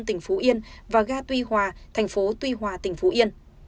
tỉnh phú yên và ga tuy hòa thành phố tuy hòa tỉnh phú yên